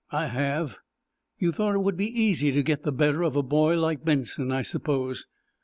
"I have." "You thought it would be easy to get the better of a boy like Benson, I suppose."